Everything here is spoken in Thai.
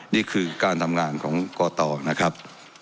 นี่คือการทำงานของกตนะครับ